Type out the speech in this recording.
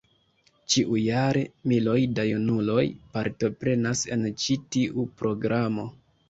Ĉiujare, miloj da junuloj partoprenas en ĉi tiu programo.